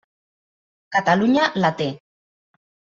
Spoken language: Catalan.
Catalunya la té.